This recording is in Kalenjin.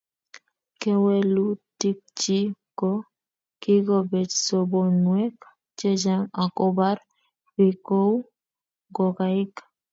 Kewelutikchi ko:kikobet sobonwek chechang akobar bik kou ngokaik